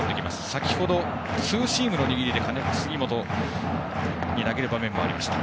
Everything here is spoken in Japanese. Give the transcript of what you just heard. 先ほど、ツーシームの握りで杉本に投げる場面もありました。